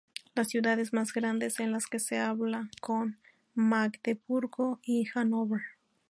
Las ciudades más grandes en las que se habla son Magdeburgo y Hannover.